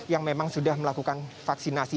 yang memang sudah melakukan vaksinasi